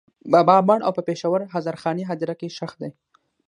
بابا مړ او په پېښور هزارخانۍ هدېره کې ښخ دی.